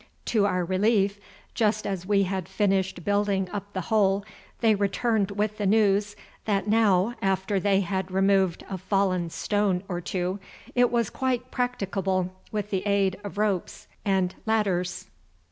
To our relief, just as we had finished building up the hole, they returned with the news that now after they had removed a fallen stone or two it was quite practicable with the aid of ropes and ladders.